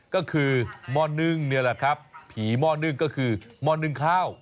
ก็คือหม้อนึ่งนี่แหละครับผีหม้อนึ่งก็คือหม้อนึ่งข้าว